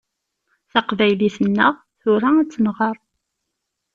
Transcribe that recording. Taqbaylit-nneɣ, tura ad tt-nɣeṛ.